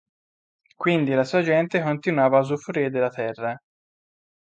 Quindi la sua gente continuava a usufruire della terra.